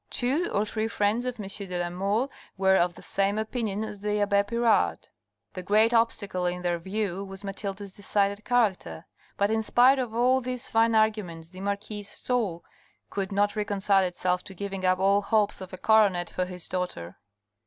Two or three friends of M. de la Mole were of the same opinion as the abbe Pirard. The great obstacle in their view was Mathilde's decided character. But in spite of all these fine arguments the marquis's soul could not reconcile itself to giving up all hopes of a coronet for his daughter.